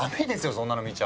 そんなの見ちゃ！